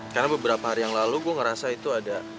karena beberapa hari yang lalu gue ngerasa itu ada